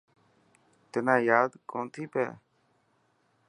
تنا ياد ڪونٿي پئي.